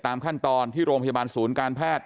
ตามขั้นตอนที่โรงพยาบาลศูนย์การแพทย์